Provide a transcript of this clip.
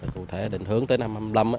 cụ thể định hướng tới năm hai nghìn hai mươi năm